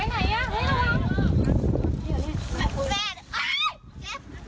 น่าสะหารมานั่นอ่ะ